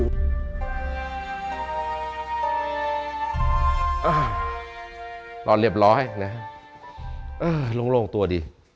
อ่ารอดเรียบร้อยนะครับโล่งตัวดี